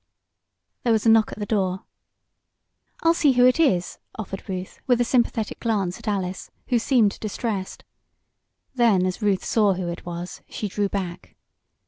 There was a knock at the door. "I'll see who it is," offered Ruth, with a sympathetic glance at Alice, who seemed distressed. Then, as Ruth saw who it was, she drew back.